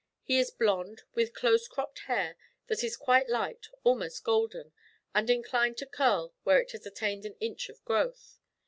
He is blond, with close cropped hair that is quite light, almost golden, and inclined to curl where it has attained an inch of growth.